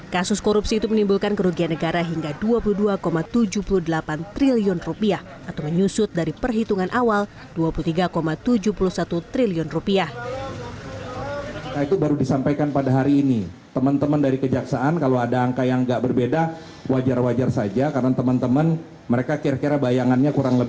kasus korupsi itu menimbulkan kerugian negara hingga rp dua puluh dua tujuh puluh delapan triliun atau menyusut dari perhitungan awal rp dua puluh tiga tujuh puluh satu triliun